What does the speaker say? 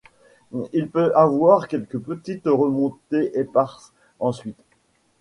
Il peut y avoir quelques petites remontées éparses ensuite.